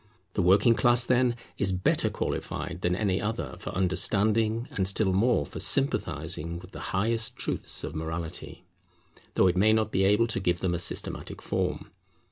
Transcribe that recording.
The working class, then, is better qualified than any other for understanding, and still more for sympathizing with the highest truths of morality, though it may not be able to give them a systematic form.